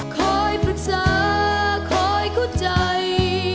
คอยฝึกษาคอยคุดใจ